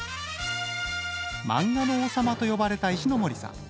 漫画の王様と呼ばれた石森さん。